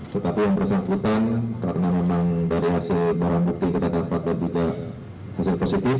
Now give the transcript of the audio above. tetapi yang bersangkutan karena memang dari hasil barang bukti kita dapatkan juga hasil positif